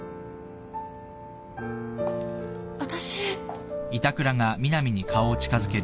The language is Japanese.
私。